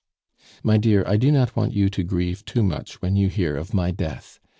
"My dear, I do not want you to grieve too much when you hear of my death.